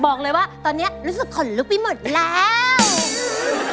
บอกเลยว่าตอนนี้รู้สึกขนลุกไปหมดแล้ว